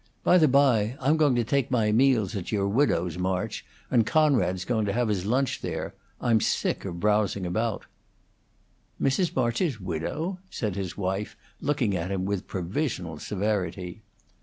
By the bye, I'm going to take my meals at your widow's, March, and Conrad's going to have his lunch there. I'm sick of browsing about." "Mr. March's widow?" said his wife, looking at him with provisional severity.